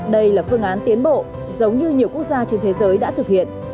đây là phương án tiến bộ giống như nhiều quốc gia trên thế giới đã thực hiện